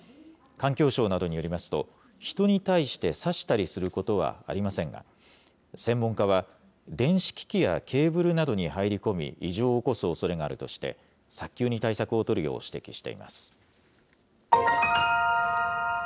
環境省などによりますと、人に対して刺したりすることはありませんが、専門家は、電子機器やケーブルなどに入り込み、異常を起こすおそれがあるとして、早急に対策を取るよう指摘しています。